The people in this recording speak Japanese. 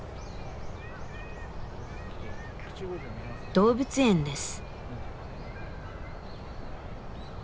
動物園です。